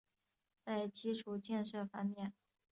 在基础建设方面